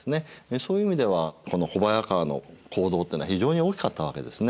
そういう意味ではこの小早川の行動というのは非常に大きかったわけですね。